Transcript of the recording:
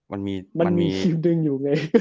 มันมีทีมหนึ่งอยู่ไง